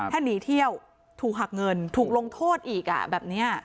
ถ้าหนีเที่ยวถูกหักเงินถูกลงโทษอีกแบบนี้